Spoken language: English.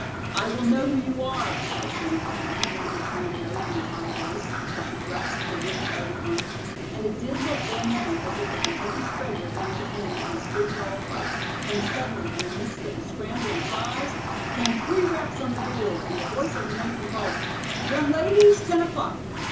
"I will know who you are," cried Jennie Wren, with a determined note in her high voice, as she grasped the witch by the arm, and it did look for a moment as if the Kentucky spread were going to end in a free for all fight, when suddenly, in the midst of the scramble and cries, came three raps on the door, and the voice of the matron called: "Young ladies, ten o'clock.